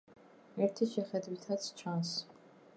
ერთი შეხედვითაც ჩანს.